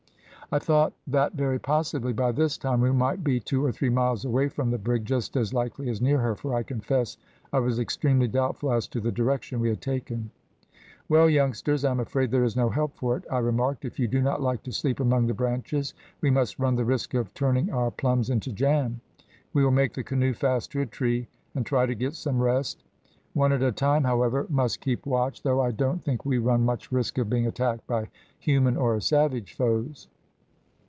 I thought that very possibly by this time we might be two or three miles away from the brig, just as likely as near her, for I confess I was extremely doubtful as to the direction we had taken. "`Well, youngsters, I am afraid there is no help for it,' I remarked; `if you do not like to sleep among the branches, we must run the risk of turning our plums into jam. We will make the canoe fast to a tree, and try to get some rest. One at a time, however, must keep watch, though I don't think we run much risk of being attacked by human or savage foes.'